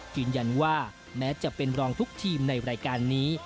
ยืนยันว่าแม้จะเป็นรองทุกทีมในรายการนี้